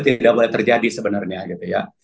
tidak boleh terjadi sebenarnya gitu ya